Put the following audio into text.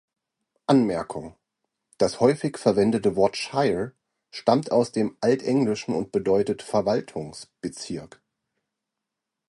Anmerkung: Das häufig verwendete Wort "shire" stammt aus dem Altenglischen und bedeutet „Verwaltungsbezirk“.